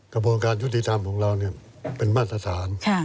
กระบวนการยุติธรรมของเราเป็นมาตรฐาน